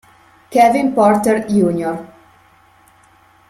Kevin Porter Jr.